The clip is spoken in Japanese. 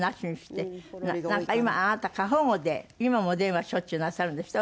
なんか今あなた過保護で今もお電話しょっちゅうなさるんですって？